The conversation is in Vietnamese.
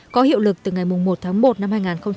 có hiệu lực từ ngày một tháng một năm hai nghìn hai mươi